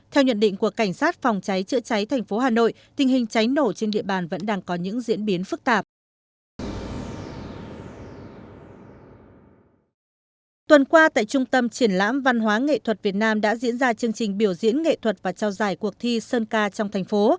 hôm qua tại trung tâm triển lãm văn hóa nghệ thuật việt nam đã diễn ra chương trình biểu diễn nghệ thuật và trao giải cuộc thi sơn ca trong thành phố